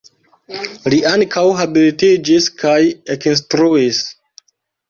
Li ankaŭ habilitiĝis kaj ekinstruis.